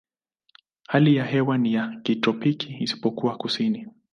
Hali ya hewa ni ya kitropiki isipokuwa kusini.